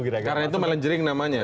karena itu melenjering namanya